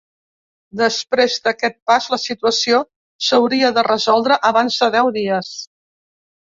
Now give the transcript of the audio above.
Després d’aquest pas, la situació s’hauria de resoldre abans de deu dies.